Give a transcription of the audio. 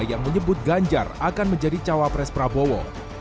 yang menyebut ganjar akan menjadi cawapres prabowo